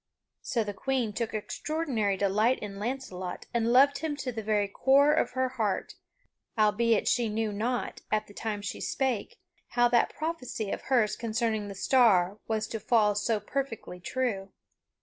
So the Queen took extraordinary delight in Launcelot and loved him to the very core of her heart albeit she knew not, at the time she spake, how that prophecy of hers concerning the star was to fall so perfectly true.